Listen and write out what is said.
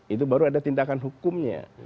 itu baru ada tindakan hukumnya